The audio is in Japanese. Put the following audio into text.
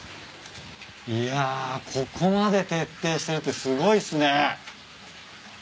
いやここまで徹底してるってすごいっすね。